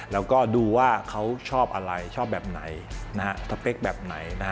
แล้วก็ดูว่าเขาชอบอะไรชอบแบบไหนสเปคแบบไหน